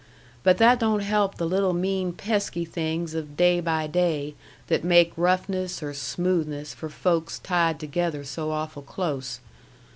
But that don't help the little mean pesky things of day by day that make roughness or smoothness for folks tied together so awful close.